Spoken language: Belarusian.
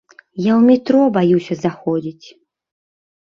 Я ў метро баюся заходзіць.